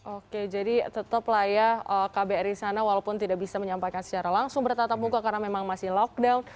oke jadi tetap lah ya kbri sana walaupun tidak bisa menyampaikan secara langsung bertatap muka karena memang masih lockdown